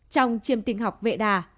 trong chiêm tinh học vệ đà